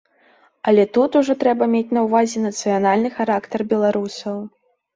Але тут ужо трэба мець на ўвазе нацыянальны характар беларусаў.